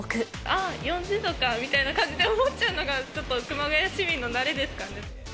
ああ、４０度かみたいな感じで思っちゃうのが、ちょっと熊谷市民の慣れですかね。